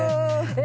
え！